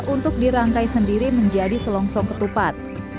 untuk dirangkai sendiri menjadi selongsong ketupat